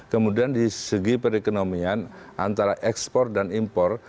kemudian di segi perekonomian antara ekspor dan impor